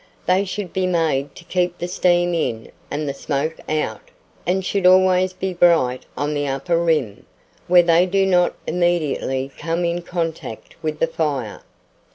They should be made to keep the steam in and the smoke out, and should always be bright on the upper rim, where they do not immediately come in contact with the fire.